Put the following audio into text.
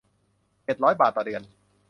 เจ็ดร้อย บาทต่อเดือน